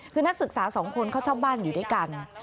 คือนักศึกษาสองคนเขาเช่าบ้านอยู่ด้วยกัน